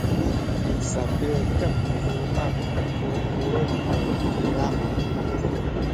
sapiletek ni Yona ku pulung tu kilang.